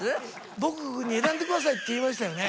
僕に「選んでください」って言いましたよね。